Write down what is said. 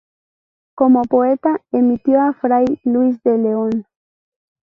Como poeta imitó a fray Luis de León.